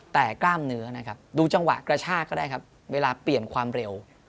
แต่กล้ามเนื้อนะครับดูจังหวะกระชากก็ได้ครับเวลาเปลี่ยนความเร็ว